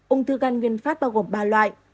ung thư gan nguyên phát bao gồm ba loại